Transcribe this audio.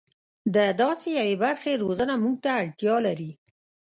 د داسې یوې برخې روزنه موږ ته اړتیا لري.